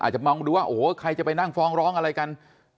จะมองดูว่าโอ้โหใครจะไปนั่งฟ้องร้องอะไรกัน